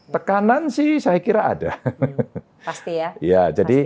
tekanan sih saya kira ada